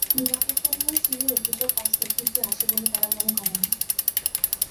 নিরাপত্তা নিয়ে সিএর অভিযোগের বাস্তব ভিত্তি আছে বলে তারা মনে করে না।